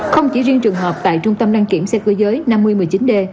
không chỉ riêng trường hợp tại trung tâm đăng kiểm xe cưới giới năm nghìn một mươi chín d